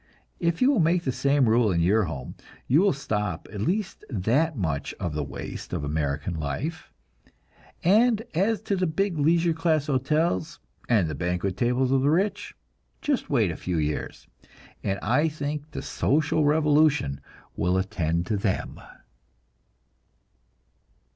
If you will make the same rule in your home, you will stop at least that much of the waste of American life; and as to the big leisure class hotels, and the banquet tables of the rich just wait a few years, and I think the social revolution will attend to them!